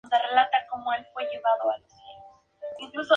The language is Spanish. Habita en el territorio de la antigua provincia sudafricana de Transvaal.